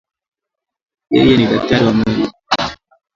Yeye ni daktari wa meno.